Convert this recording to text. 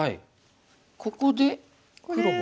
ここで黒は。